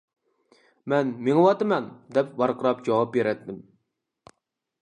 مەن «مېڭىۋاتىمەن! » دەپ ۋارقىراپ جاۋاب بېرەتتىم.